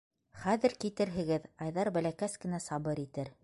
- Хәҙер китерһегеҙ, Айҙар бәләкәс кенә сабыр итер.